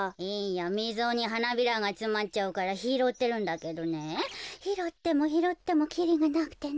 みぞにはなびらがつまっちゃうからひろってるんだけどねひろってもひろってもきりがなくてね。